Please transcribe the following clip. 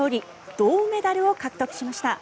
銅メダルを獲得しました。